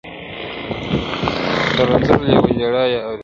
د رنځور لېوه ژړا یې اورېدله-